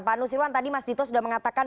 pak anu sirwan tadi mas dito sudah mengatakan